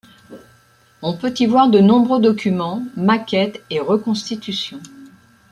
On peut y voir de nombreux documents, maquettes et reconstitutions.